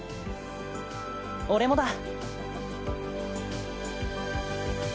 俺もだ。